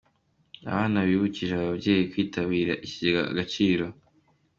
Abana bibukije ababyeyi kwitabira ikigega Agaciro